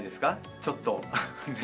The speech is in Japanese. ちょっと、ね。